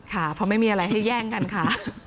ค่ะเพราะไม่มีอะไรให้แย่งกันค่ะ